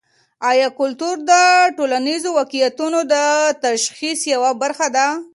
ایا کلتور د ټولنیزو واقعیتونو د تشخیص یوه برخه ده؟